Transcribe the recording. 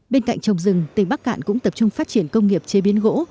bên cạnh trồng rừng tỉnh bắc cạn cũng tập trung phát triển công nghiệp chế biến gỗ